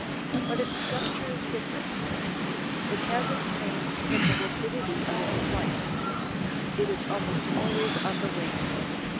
But its structure is different. It has its name from the rapidity of its flight. It is almost always on the wing.